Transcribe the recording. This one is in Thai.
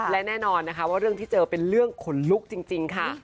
และแน่นอนนะคะว่าเรื่องที่เจอเป็นเรื่องขนลุกจริงค่ะ